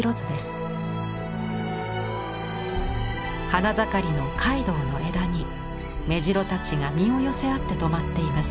花盛りの海棠の枝に目白たちが身を寄せ合ってとまっています。